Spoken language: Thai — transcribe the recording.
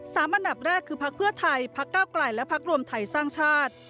อันดับแรกคือพักเพื่อไทยพักเก้าไกลและพักรวมไทยสร้างชาติ